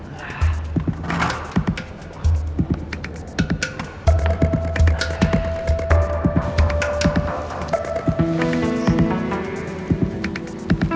saya juga ikut mundur pak